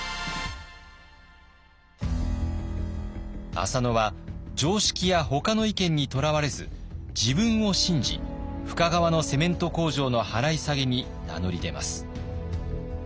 浅野は常識やほかの意見にとらわれず自分を信じ深川のセメント工場の払い下げに名乗り出ます。